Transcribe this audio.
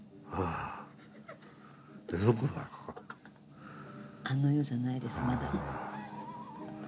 あの世じゃないですまだ。